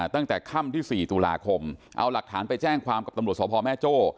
ตั้งแต่ค่ำที่๔ตุลาคมเอาหลักฐานไปแจ้งความกับตำรวจสพแม่โจ้